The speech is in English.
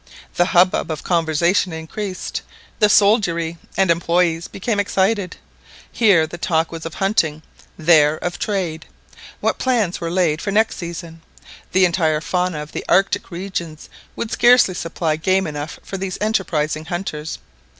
The hubbub of conversation increased. The soldiery and employés became excited. Here the talk was of hunting, there of trade. What plans were laid for next season! The entire fauna of the Arctic regions would scarcely supply game enough for these enterprising hunters.